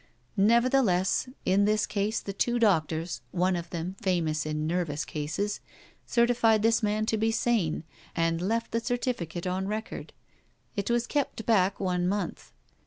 Nevertheless, in this case the two doctors, one of them famous in 'nervous' cases, certified this man to be sane, and left the certificate on record. It was kept back one month.